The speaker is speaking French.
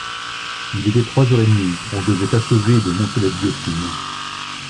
Il était trois heures et demie, on devait achever de monter la guillotine.